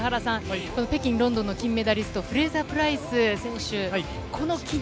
北京、ロンドンの金メダリスト、フレイザー・プライス選手。